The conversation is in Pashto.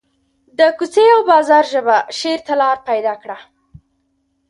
د کوڅې او بازار ژبه شعر ته لار پیدا کړه